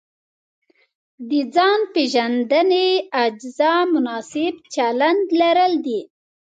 د ځان پېژندنې اجزا مناسب چلند لرل دي.